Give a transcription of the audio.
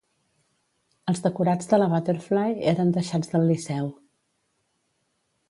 Els decorats de la Butterfly eren deixats del Liceu